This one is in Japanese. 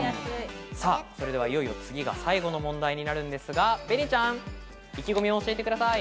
それでは、いよいよ次が最後の問題になるんですが、べにちゃん意気込み教えてください。